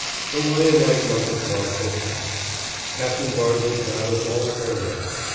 The lion like month of March had passed. Captain Bartlett bade us all farewell.